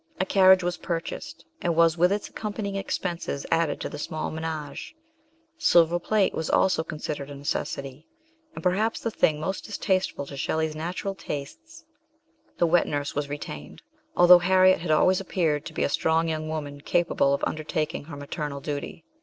A carriage was purchased, and was with its accom panying expenses added to the small menage; silver plate was also considered a necessity ; and, perhaps the thing most distasteful to Shelley's natural tastes, the wet nurse was retained, although Harriet had always SHELLEY. 57 appeared to be a strong young woman capable of undertaking her maternal duty.